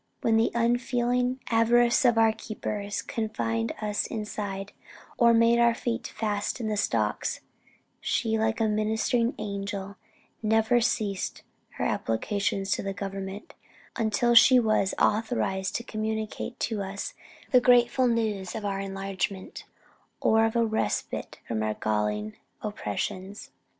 ... "When the unfeeling avarice of our keepers confined us inside, or made our feet fast in the stocks, she, like a ministering angel, never ceased her applications to the government, until she was authorized to communicate to us the grateful news of our enlargement, or of a respite from our galling oppressions.